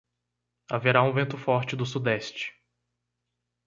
Haverá um vento forte do sudeste.